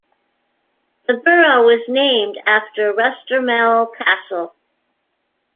The borough was named after Restormel Castle.